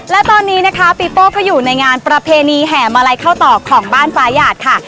และตอนนี้นะคะปีโป้ก็อยู่ในงานประเพณีแห่มาลัยเข้าต่อของบ้านฟ้าหยาดค่ะ